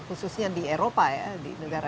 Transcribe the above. khususnya di eropa ya